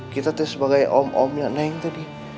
kita sebagai om omnya neng tadi